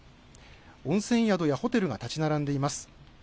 温泉宿やホテルが建ち並んでいます。